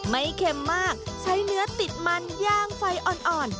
เค็มมากใช้เนื้อติดมันย่างไฟอ่อน